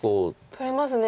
取れますね。